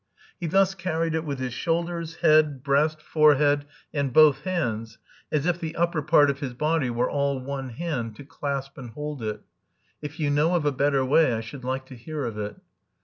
He thus carried it with his shoulders, head, breast, forehead, and both hands, as if the upper part of his body were all one hand to clasp and hold it. If you know of a better way, I should like to hear of it.